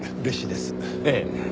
ええ。